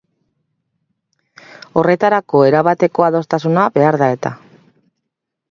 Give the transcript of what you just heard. Horretarako erabateko adostasuna behar da-eta.